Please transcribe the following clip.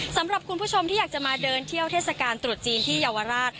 สำหรับคุณผู้ชมที่อยากจะมาเดินเที่ยวเทศกาลตรุษจีนที่เยาวราช